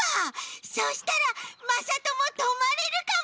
そしたらまさともとまれるかも。